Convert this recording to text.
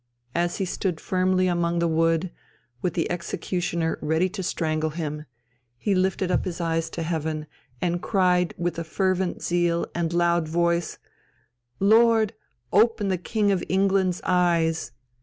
"As he stood firmly among the wood, with the executioner ready to strangle him, he lifted up his eyes to heaven and cried with a fervent zeal and loud voice, 'Lord, open the King of England's eyes!'